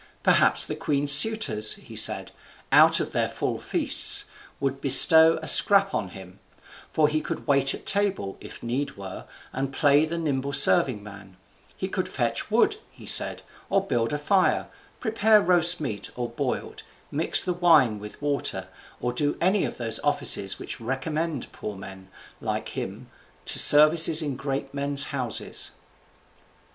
Perhaps the queen's suitors (he said), out of their full feasts, would bestow a scrap on him; for he could wait at table, if need were, and play the nimble serving man; he could fetch wood (he said) or build a fire, prepare roast meat or boiled, mix the wine with water, or do any of those offices which recommended poor men like him to services in great men's houses.